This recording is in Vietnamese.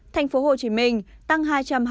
tp hcm tăng hai trăm hai mươi bảy